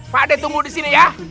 pak ada tunggu di sini ya